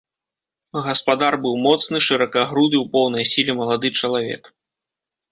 Гаспадар быў моцны, шыракагруды, у поўнай сіле малады чалавек.